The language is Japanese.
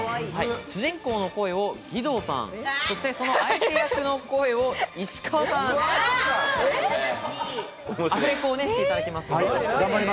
主人公の声を義堂さん、そしてその相手役の声を石川さん、アフレコしていただきますので。